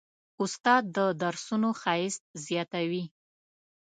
استاد د درسونو ښایست زیاتوي.